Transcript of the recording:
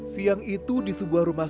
siang itu di sebuah rumah